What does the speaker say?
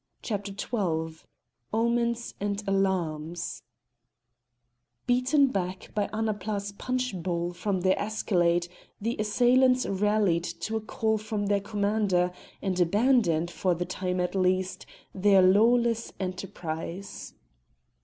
CHAPTER XII OMENS AND ALARMS Beaten back by Annapla's punch bowl from their escalade, the assailants rallied to a call from their commander, and abandoned, for the time at least, their lawless enterprise.